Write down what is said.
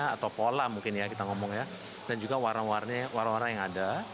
atau pola mungkin ya kita ngomong ya dan juga warna warna yang ada